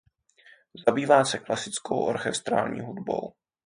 Zabývá se klasickou orchestrální hudbou.